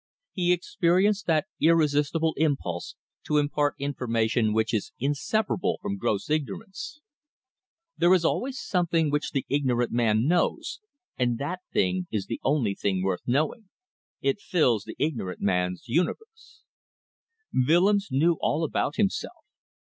He experienced that irresistible impulse to impart information which is inseparable from gross ignorance. There is always some one thing which the ignorant man knows, and that thing is the only thing worth knowing; it fills the ignorant man's universe. Willems knew all about himself.